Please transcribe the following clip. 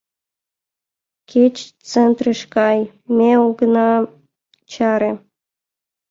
— Кеч центрыш кай — ме огына чаре!